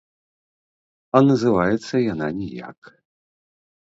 А называецца яна ніяк!